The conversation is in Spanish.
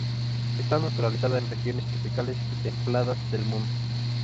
Está naturalizada en regiones tropicales y templadas del mundo.